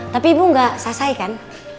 tapi bu gak sasai kan